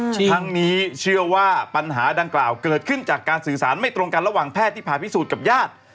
ทั้งนี้เชื่อว่าปัญหาดังกล่าวเกิดขึ้นจากการสื่อสารไม่ตรงกันระหว่างแพทย์ที่ผ่าพิสูจน์กับญาติ